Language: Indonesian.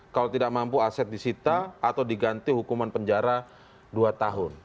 kalau tidak mampu aset disita atau diganti hukuman penjara dua tahun